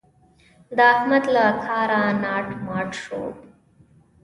د احمد له کاره ناټ مات شو.